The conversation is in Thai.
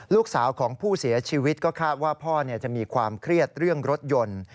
ลูกสาวของผู้เสียชีวิตก็คาดว่าพ่อจะมีความเครียดเรื่องรถยนต์